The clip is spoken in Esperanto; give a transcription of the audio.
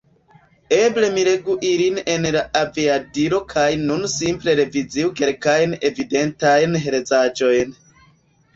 Eble mi legu ilin en la aviadilo kaj nun simple reviziu kelkajn evidentajn herezaĵojn.